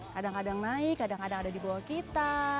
kadang kadang naik kadang kadang ada di bawah kita